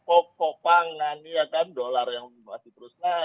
pokok pangan iya kan dolar yang masih terus naik iya kan geopolitik dan lain lain